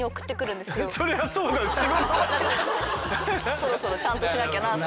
そろそろちゃんとしなきゃなと。